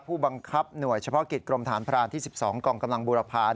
ผู้บังคับหน่วยเฉพาะกิจกรมฐานพรานที่๑๒กองกำลังบูรพา